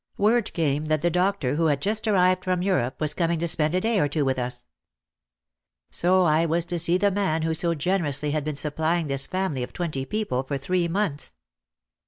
Word came that the doctor, who had just arrived from Europe, was coming to spend a day or two with us. So I was to see the man who so generously had been supplying this family of twenty people for three months.